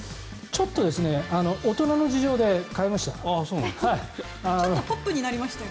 ちょっと大人の事情で変えました。